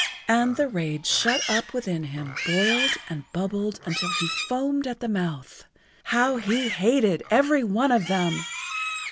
And the rage shut up within him boiled and bubbled until he foamed at the mouth. How he hated every one of them!